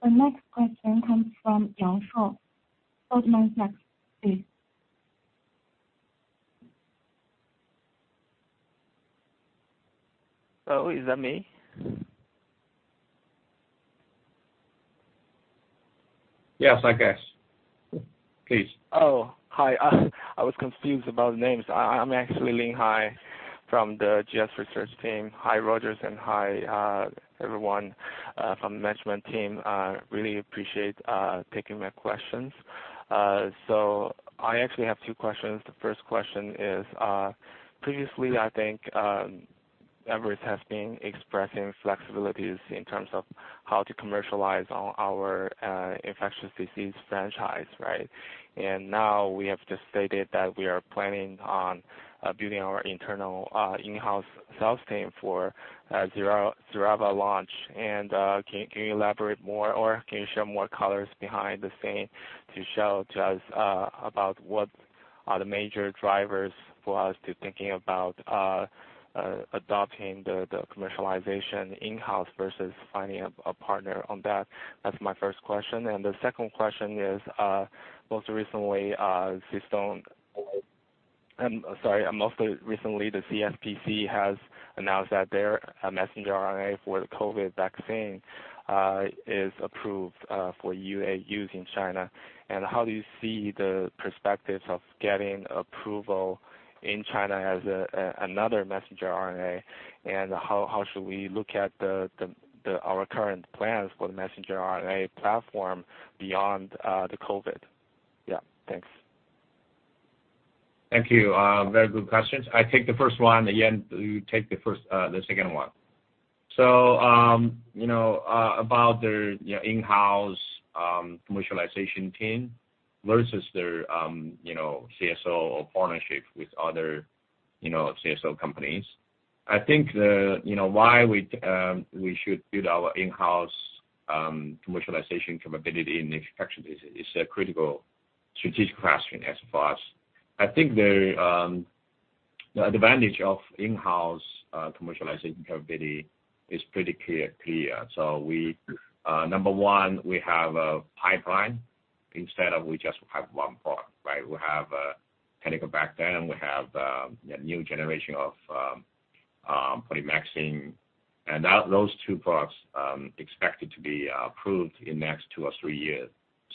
Hai of Goldman Sachs, please. Hello, is that me? Yes, I guess. Please. Hi. I was confused about names. I'm actually Lin Hai from the GS research team. Hi Rogers and hi everyone from the management team. I really appreciate taking my questions. I actually have two questions. The first question is, previously, I think Everest has been expressing flexibilities in terms of how to commercialize on our infectious disease franchise, right? Now we have just stated that we are planning on building our internal in-house sales team for XERAVA launch. Can you elaborate more or can you share more colors behind the scene to show to us about what are the major drivers for us to thinking about adopting the commercialization in-house versus finding a partner on that? That's my first question. The second question is, most recently, CStone... Sorry. Most recently, the CSPC has announced that their messenger RNA for the COVID vaccine is approved for EUA use in China. How do you see the perspectives of getting approval in China as another messenger RNA, and how should we look at our current plans for the messenger RNA platform beyond the COVID? Yeah. Thanks. Thank you. Very good questions. I take the first one, Ian, you take the second one. About their in-house commercialization team versus their CSO or partnership with other CSO companies. Why we should build our in-house commercialization capability in infectious disease is a critical strategic question as for us. The advantage of in-house commercialization capability is pretty clear. We, number 1, we have a pipeline instead of we just have one product, right? We have Taniborbactam, we have the new generation of Polymyxin. Those two products expected to be approved in next 2 or 3 years.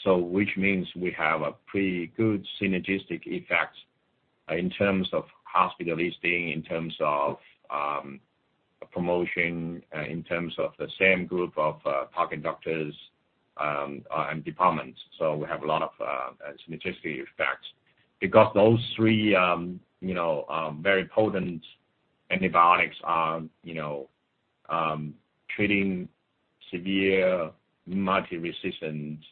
Which means we have a pretty good synergistic effect in terms of hospital listing, in terms of promotion, in terms of the same group of target doctors and departments. We have a lot of synergistic effects because those three, you know, very potent antibiotics are, you know, treating severe multi-resistant, multi-drug resistant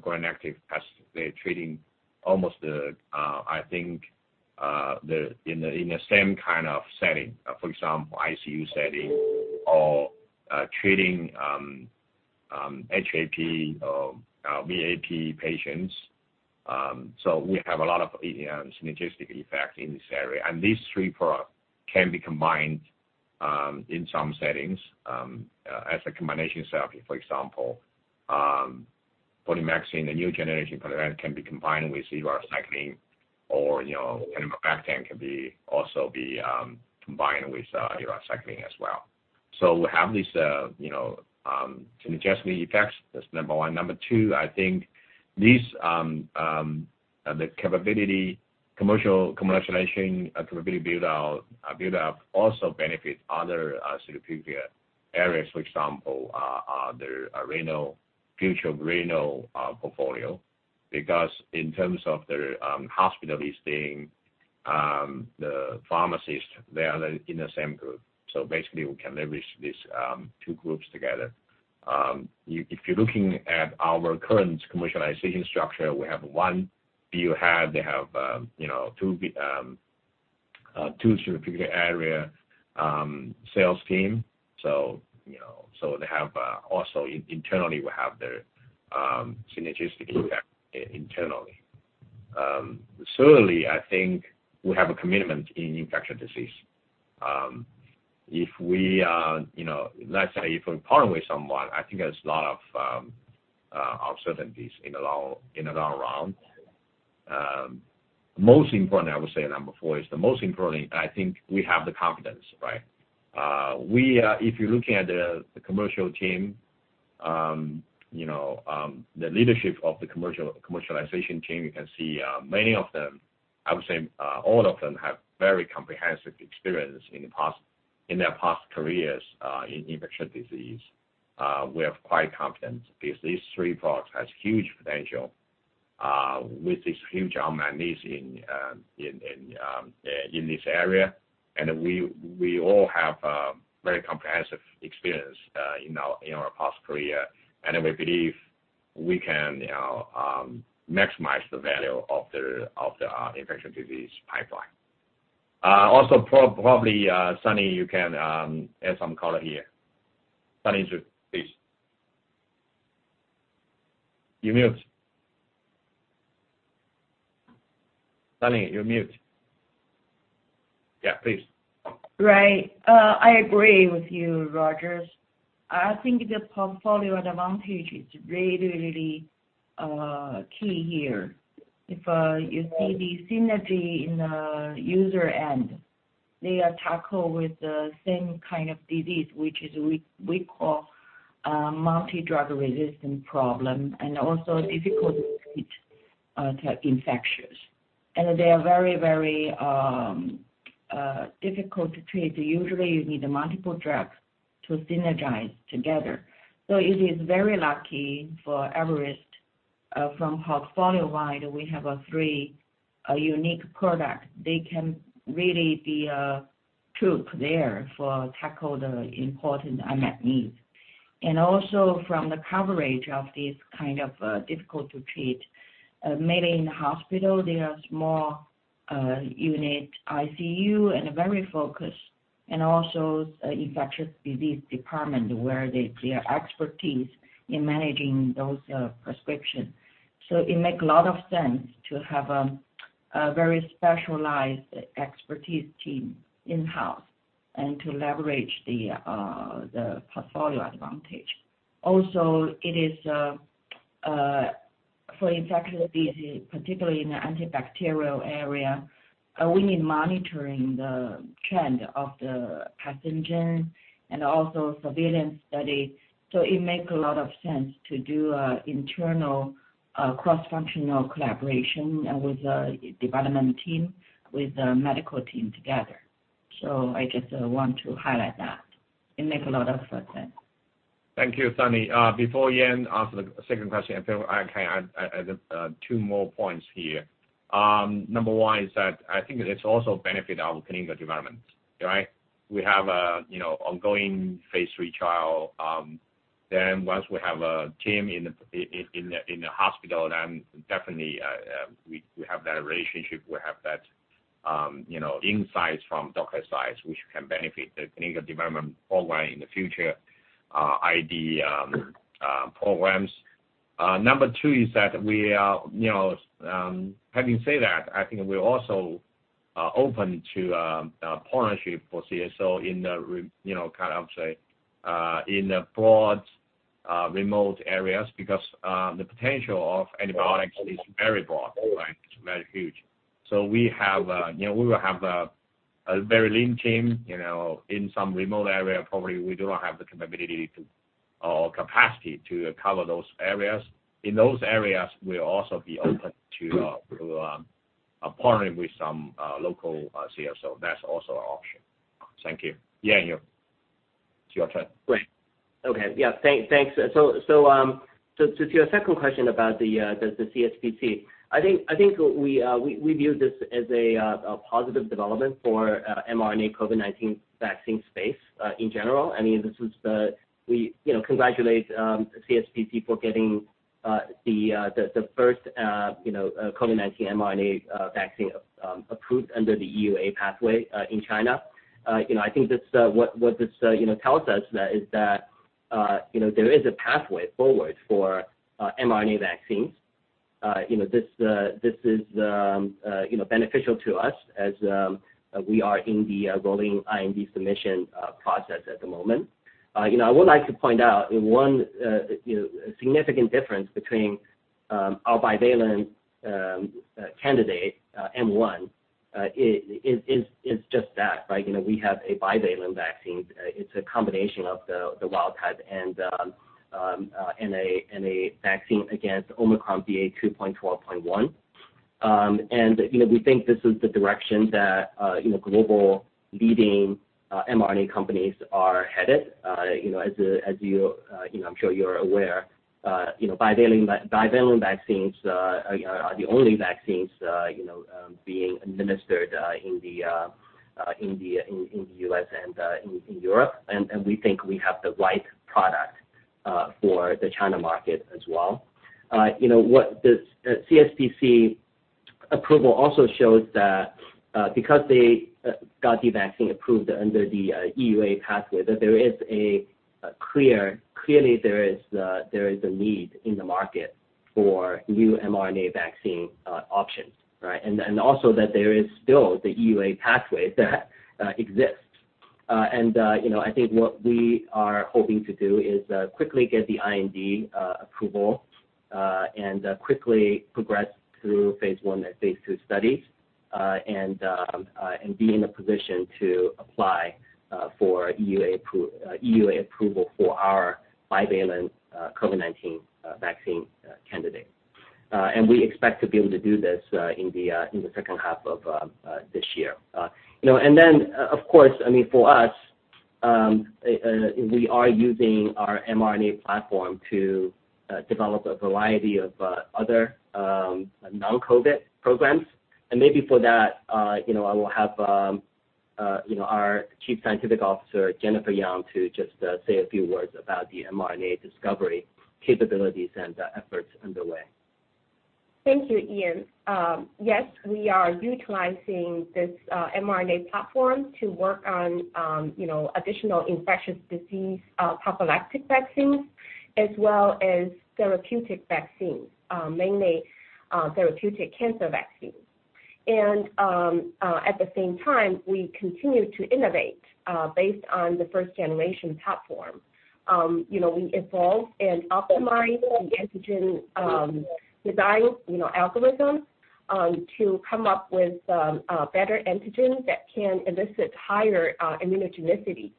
Gram-negative bacteria. They're treating almost the, I think, in the same kind of setting. For example, ICU setting or treating HAP or VAP patients. We have a lot of synergetic effect in this area. These three product can be combined in some settings as a combination therapy. For example, Polymyxin, the new generation polymyxin can be combined with tigecycline or, you know, Taniborbactam can also be combined with tigecycline as well. We have these, you know, synergistic effects. That's number one. Number two, I think these, the commercialization capability build up also benefit other therapeutic areas. For example, the renal, future renal portfolio, because in terms of the hospital listing, the pharmacist, they are in the same group. Basically, we can leverage these two groups together. If you're looking at our current commercialization structure, we have one BU head. They have, you know, two therapeutic area sales team. You know, they have also internally we have the synergistic effect internally. Certainly, I think we have a commitment in infectious disease. If we, you know, let's say if we partner with someone, I think there's a lot of uncertainties in and around. Most important, I would say number 4 is the most important, I think we have the confidence, right? We, if you're looking at the commercial team, you know, the leadership of the commercialization team, you can see many of them, I would say, all of them have very comprehensive experience in the past, in their past careers, in infectious disease. We are quite confident because these three products has huge potential with this huge unmet needs in this area. We all have a very comprehensive experience in our past career, and we believe we can, you know, maximize the value of the infectious disease pipeline. Also probably Sunny, you can add some color here. Sunny Zhu, please. You mute. Sunny, you're mute. Yeah, please. Right. I agree with you, Rogers. I think the portfolio advantage is really, really key here. If you see the synergy in the user end, they are tackle with the same kind of disease, which is we call a multi-drug resistant problem and also difficult to treat infections. They are very, very difficult to treat. Usually you need multiple drugs to synergize together. It is very lucky for Everest, from portfolio-wide, we have a 3 unique product. They can really be troop there for tackle the important unmet needs. Also from the coverage of this kind of difficult to treat, maybe in the hospital, there are small unit ICU and very focused and also infectious disease department where they, their expertise in managing those prescriptions. It makes a lot of sense to have a very specialized expertise team in-house and to leverage the portfolio advantage. Also, it is for infectious disease, particularly in the antibacterial area, we need monitoring the trend of the pathogen and also surveillance study. It makes a lot of sense to do, internal, cross-functional collaboration, with the development team, with the medical team together. I just, want to highlight that. It make a lot of, sense. Thank you, Sunny. Before Ian answer the second question, I think I can add two more points here. Number one is that I think it's also benefit our clinical development, right? We have, you know, ongoing phase III trial. Once we have a team in the hospital, then definitely, we have that relationship. We have that, you know, insights from doctor's sides, which can benefit the clinical development pipeline in the future, ID, programs. Number two is that we are, you know, having said that, I think we're also open to a partnership for CSO in the, you know, kind of say, in the broad, remote areas because, the potential of antibiotics is very broad, right? It's very huge. We have, you know, we will have a very lean team, you know, in some remote area, probably we do not have the capability to or capacity to cover those areas. In those areas, we'll also be open to partnering with some local CSO. That's also an option. Thank you. Ian, you. It's your turn. Great. Okay. Yeah. Thanks. So to your second question about the CSPC, I think we view this as a positive development for mRNA COVID-19 vaccine space in general. I mean, this is the we, you know, congratulate CSPC for getting the first, you know, COVID-19 mRNA vaccine approved under the EUA pathway in China. You know, I think that's what this, you know, tells us is that, you know, there is a pathway forward for mRNA vaccines. You know, this is, you know, beneficial to us as we are in the rolling IND submission process at the moment. You know, I would like to point out one, you know, significant difference between our bivalent candidate, EVER-COVID19-M1.2, is just that, right? You know, we have a bivalent vaccine. It's a combination of the wild type and a vaccine against Omicron BA.2.12.1. You know, we think this is the direction that, you know, global leading mRNA companies are headed. You know, as you know, I'm sure you're aware, you know, bivalent vaccines are the only vaccines, you know, being administered in the U.S. and in Europe. We think we have the right product for the China market as well. you know, what this CSPC approval also shows that because they got the vaccine approved under the EUA pathway, that there is clearly a need in the market for new mRNA vaccine options, right? Also that there is still the EUA pathway that exists. you know, I think what we are hoping to do is quickly get the IND approval and quickly progress through phase I and phase II studies and be in a position to apply for EUA approval for our bivalent COVID-19 vaccine candidate. We expect to be able to do this in the second half of this year. You know, of course, I mean, for us, we are using our mRNA platform to develop a variety of other non-COVID programs. For that, you know, I will have, you know, our Chief Scientific Officer, Jennifer Yang, to just say a few words about the mRNA discovery capabilities and efforts underway. Thank you, Ian. Yes, we are utilizing this mRNA platform to work on, you know, additional infectious disease prophylactic vaccines as well as therapeutic vaccines, mainly therapeutic cancer vaccines. At the same time, we continue to innovate based on the first generation platform. You know, we evolve and optimize the antigen design, you know, algorithm. To come up with a better antigen that can elicit higher immunogenicity.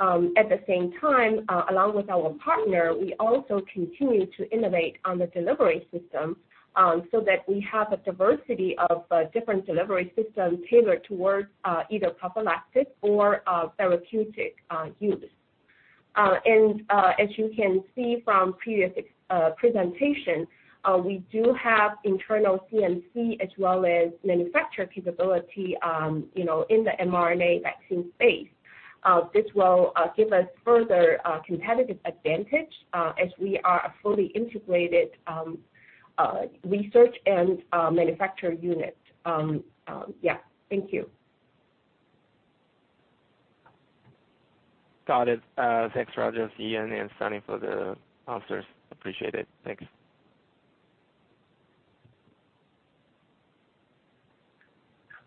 At the same time, along with our partner, we also continue to innovate on the delivery system so that we have a diversity of different delivery systems tailored towards either prophylactic or therapeutic use. As you can see from previous presentation, we do have internal CMC as well as manufacturer capability, you know, in the mRNA vaccine space. This will give us further competitive advantage as we are a fully integrated research and manufacture unit. Yeah. Thank you. Got it. Thanks Roger, Ian, and Sunny for the answers. Appreciate it.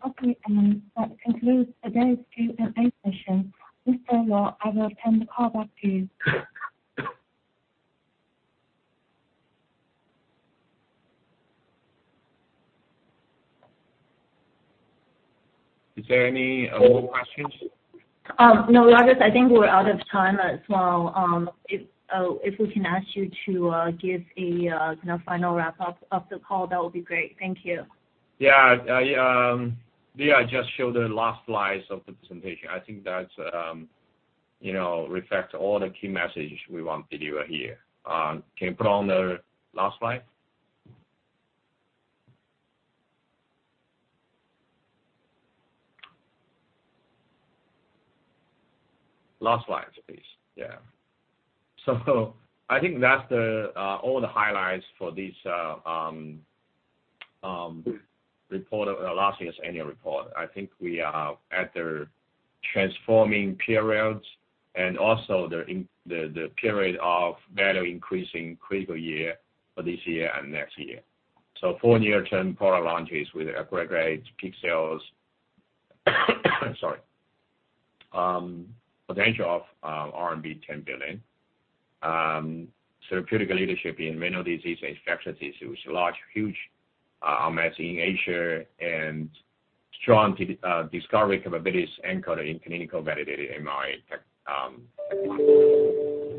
Thanks. Okay. That concludes today's Q&A session. Mr. Luo, I will turn the call back to you. Is there any other questions? No, Rogers, I think we're out of time as well. If we can ask you to, give a, you know, final wrap-up of the call, that would be great. Thank you. I just show the last slides of the presentation. I think that, you know, reflect all the key message we want to deliver here. Can you put on the last slide? Last slide, please. I think that's the all the highlights for this last year's annual report. I think we are at the transforming periods and also the period of value-increasing critical year for this year and next year. 4-year term product launches with Aggrenox, peak sales. Sorry. Potential of RMB 10 billion. Therapeutic leadership in renal disease, infectious disease, which is large, huge market in Asia and strong discovery capabilities anchored in clinical validated mRNA tech technology.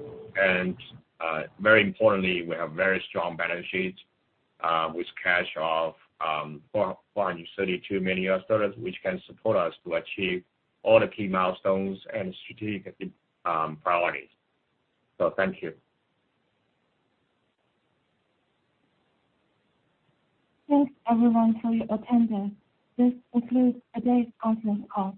Very importantly, we have very strong balance sheet, with cash of $4.32 million, which can support us to achieve all the key milestones and strategic priorities. Thank you. Thanks everyone for your attendance. This concludes today's conference call.